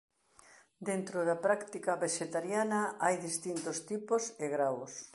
Dentro da práctica vexetariana hai distintos tipos e graos.